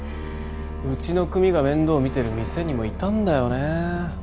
うちの組が面倒見てる店にもいたんだよね。